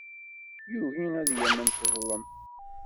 Yugi ad yamen teḍlem.